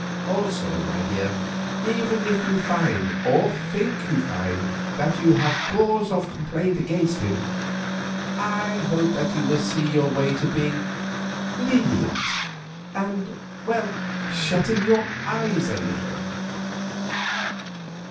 Also, my dear, even if you find, or think you find that you have cause of complaint against him, I hope that you will see your way to being lenient and shutting your eyes a little."